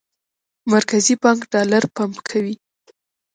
مرکزي بانک ډالر پمپ کوي.